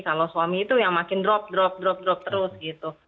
kalau suami itu yang makin drop drop drop drop terus gitu